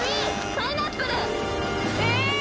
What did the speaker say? パイナップル。